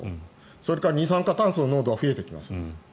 それから二酸化炭素の濃度は増えてきます。